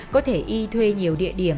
có thể y thuê nhiều địa điểm